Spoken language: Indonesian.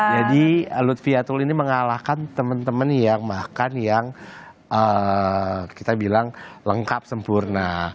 jadi luthvia tool ini mengalahkan teman teman yang makan yang kita bilang lengkap sempurna